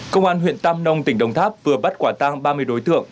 công an huyện tam nông tỉnh đồng tháp vừa bắt quả tang ba mươi đối tượng